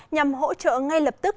nhằm hỗ trợ ngay lập tức